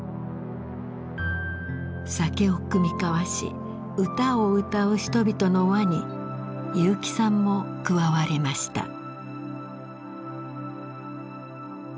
酒を酌み交わし歌を歌う人々の輪に結城さんも加わりました。